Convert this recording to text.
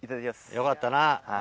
よかったな。